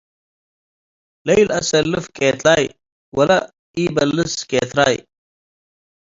. ለኣኢለአሰልፍ ቄትላይ ወለኢበልስ ኬትራይ፣